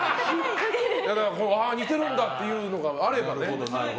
ああ、似てるんだっていうのがあれば。